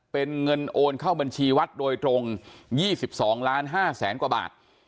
เป็นเงินโอนเข้าบัญชีวัดโดยตรงยี่สิบสองล้านห้าแสนกว่าบาท